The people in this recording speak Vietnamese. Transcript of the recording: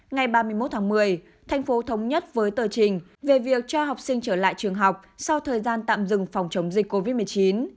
ngày ba mươi một tháng một mươi thành phố thống nhất với tờ trình về việc cho học sinh trở lại trường học sau thời gian tạm dừng phòng chống dịch covid một mươi chín